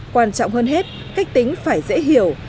quan trọng hơn hết cách tính phải dễ hiểu